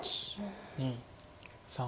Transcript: ２３。